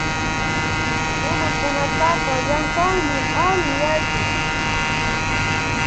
Runakunataka llankanmi alli yachik